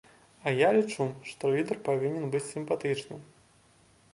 А я лічу, што лідар павінен быць сімпатычны.